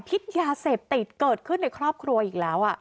พิษยาเสพติดเกิดขึ้นในครอบครัวอีกแล้ว